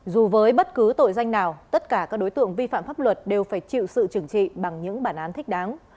dù với bất cứ tội danh nào tất cả các đối tượng vi phạm pháp luật đều phải chịu sự trừng trị bằng những bản án thích đáng